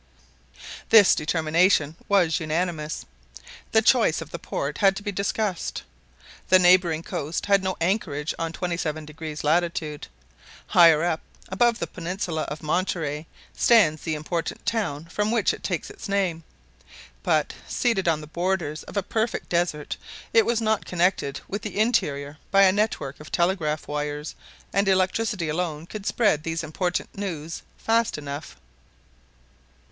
This determination was unanimous. The choice of the port had to be discussed. The neighboring coast had no anchorage on 27° latitude. Higher up, above the peninsula of Monterey, stands the important town from which it takes its name; but, seated on the borders of a perfect desert, it was not connected with the interior by a network of telegraphic wires, and electricity alone could spread these important news fast enough.